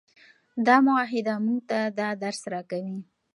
دا معاهده موږ ته دا درس راکوي.